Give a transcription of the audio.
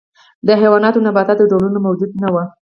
د حیواناتو او نباتاتو ډولونه موجود نه وو.